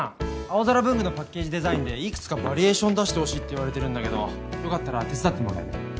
あおぞら文具のパッケージデザインでいくつかヴァリエーション出してほしいって言われてるんだけど良かったら手伝ってもらえる？